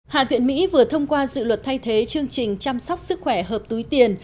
hạ viện mỹ vừa thông qua dự luật thay thế chương trình chăm sóc sức khỏe hợp túi tiền